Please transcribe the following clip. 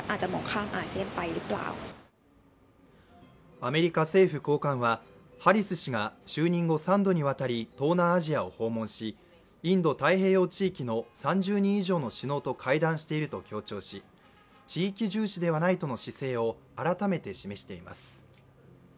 アメリカ政府高官はハリス氏が就任後３度にわたり、東南アジアを訪問しインド太平洋地域の３０人以上の首脳と会談していると強調し地域重視ではないとの姿勢を改めて示しています。